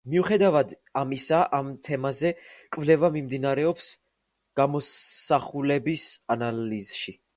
მიუხედავად ამისა ამ თემაზე კვლევა მიმდინარეობს გამოსახულების ანალიზში.